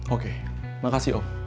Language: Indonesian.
oke makasih om